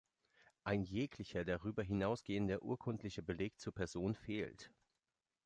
Ein jeglicher darüber hinausgehender urkundlicher Beleg zur Person fehlt.